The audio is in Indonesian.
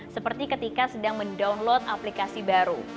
seperti ketika sedang mendownload aplikasi baru